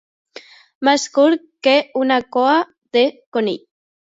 Més curt que una cua de conill.